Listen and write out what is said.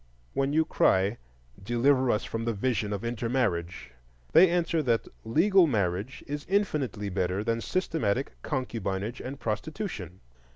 When you cry, Deliver us from the vision of intermarriage, they answer that legal marriage is infinitely better than systematic concubinage and prostitution.